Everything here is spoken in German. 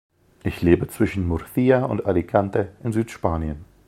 Ich lebe zwischen Murcia und Alicante in Südspanien.